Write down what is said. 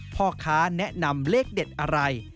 พ่อค้าแนะนำเลขเด็ดอะไร